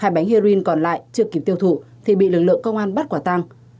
hai bánh heroin còn lại chưa kịp tiêu thụ thì bị lực lượng công an bắt quả tăng